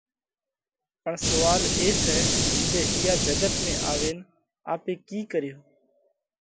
پڻ سوئال اي سئہ جي اِيئا جڳت ۾ آوينَ آپي ڪِي ڪريو؟